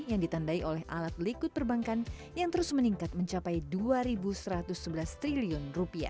yang ditandai oleh alat melikut perbankan yang terus meningkat mencapai rp dua satu ratus sebelas triliun